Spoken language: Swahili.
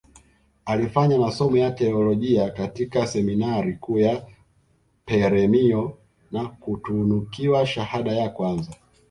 Alifanya masomo ya Teolojia katika seminari kuu ya peremiho na kutunukiwa shahada ya kwanza